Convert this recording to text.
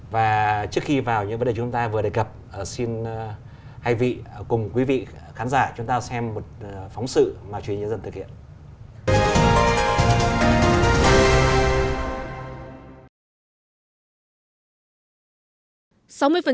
và trước khi vào những vấn đề chúng ta vừa đề cập xin hai vị cùng quý vị khán giả chúng ta xem một phóng sự mà chủ nhân dân thực hiện